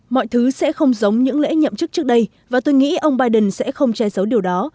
mọi thứ sẽ không giống những lễ nhậm chức trước đây và tôi nghĩ ông biden sẽ không che giấu điều đó